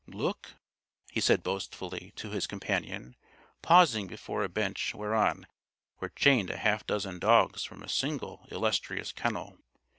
"Look!" he said boastfully to his companion, pausing before a bench whereon were chained a half dozen dogs from a single illustrious kennel.